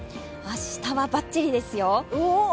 明日はばっちりですよ。